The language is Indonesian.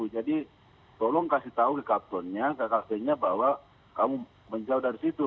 jadi tolong kasih tahu ke kaptennya ke kaptennya bahwa kamu menjauh dari situ